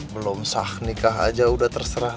belum sah nikah aja udah terserah